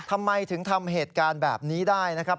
ทำไมถึงทำเหตุการณ์แบบนี้ได้นะครับ